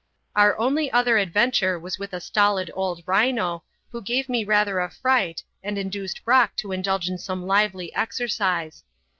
Our only other adventure was with a stolid old rhino, who gave me rather a fright and induced Brock to indulge in some lively exercise.